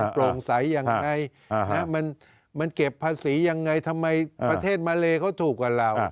ภาษียังไงทำไมประเทศมาเลเขาถูกกว่าเรา